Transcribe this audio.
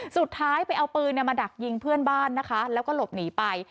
สุดท้ายไปเอาปืนมาดักยิงเพื่อนบ้านนะคะแล้วก็หลบหนีไป